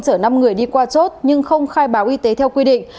chở năm người đi qua chốt nhưng không khai báo y tế theo quy định